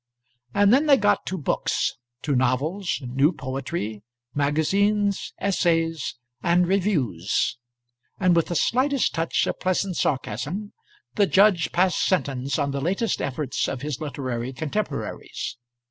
And then they got to books to novels, new poetry, magazines, essays, and reviews; and with the slightest touch of pleasant sarcasm the judge passed sentence on the latest efforts of his literary contemporaries.